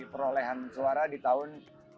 perolehan suara di tahun